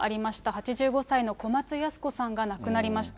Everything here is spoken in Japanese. ８５歳の小松ヤス子さんが亡くなりました。